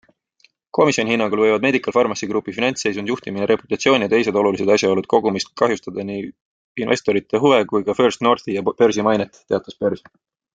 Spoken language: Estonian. Komisjoni hinnangul võivad Medical Pharmacy Groupi finantsseisund, juhtimine, reputatsioon ja teised olulised asjaolud kogumis kahjustada nii investorite huve kui ka First Northi ja börsi mainet, teatas börs.